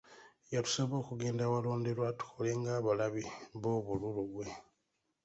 Yatusaba okugenda awalonderwa tukole ng'abalabi b'obululu bwe.